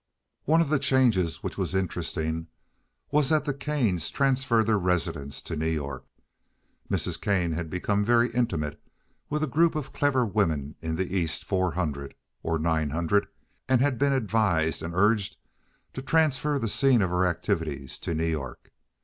One of the changes which was interesting was that the Kanes transferred their residence to New York. Mrs. Kane had become very intimate with a group of clever women in the Eastern four hundred, or nine hundred, and had been advised and urged to transfer the scene of her activities to New York.